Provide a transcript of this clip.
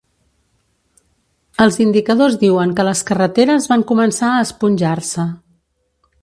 Els indicadors diuen que les carreteres van començar a esponjar-se.